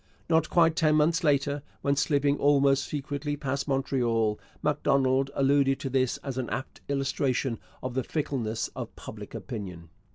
Not quite ten months later, when slipping almost secretly past Montreal, Macdonald alluded to this as an apt illustration of the fickleness of public opinion.